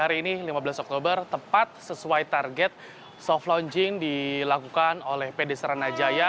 hari ini lima belas oktober tepat sesuai target soft launching dilakukan oleh pd saranajaya